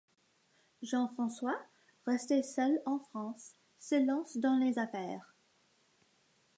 Jean-François, resté seul en France, se lance dans les affaires.